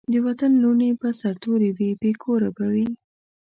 د وطن لوڼي به سرتوري وي بې کوره به وي